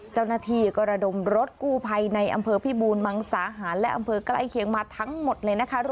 เจ้าหน้าที่ก็ระดมรถกู้ภัยในอำเภอพิบูรมังสาหารและอำเภอใกล้เคียงมาทั้งหมดเลยนะคะ